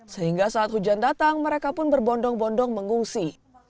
sehingga saat hujan datang mereka pun berbondong bondong mengungsi